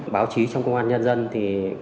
báo chí trong công an nhân dân thì